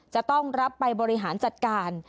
จะต้องรับไปบริหารจัดการ